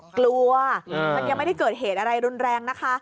กลัวมันยังไม่ได้เกิดเหตุอะไรรุนแรงนะคะ